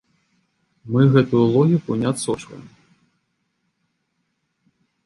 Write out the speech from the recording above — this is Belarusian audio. Мы гэтую логіку не адсочваем.